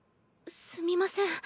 すみません。